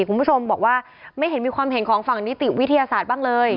คุณผู้ชมบอกว่าไม่เห็นมีความเห็นของฝั่งนิติวิทยาศาสตร์บ้างเลย